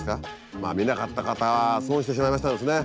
まあ見なかった方は損してしまいましたですね。